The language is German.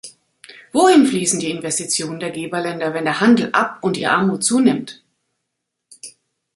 Wohin fließen die Investitionen der Geberländer, wenn der Handel ab- und die Armut zunimmt?